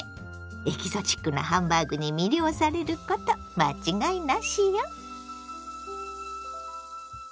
エキゾチックなハンバーグに魅了されること間違いなしよ。